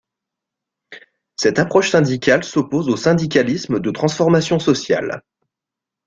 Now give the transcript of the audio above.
Cette approche syndicale s'oppose au syndicalisme de transformation sociale.